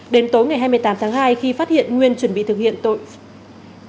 đến tối ngày hai mươi tám tháng hai khi phát hiện nguyên chuẩn bị thực hiện tội